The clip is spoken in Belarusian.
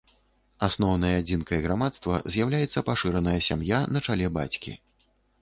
Асноўнай адзінкай грамадства з'яўляецца пашыраная сям'я на чале бацькі.